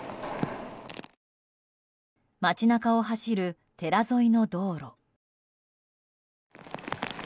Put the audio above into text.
街中を走る寺沿いの道路。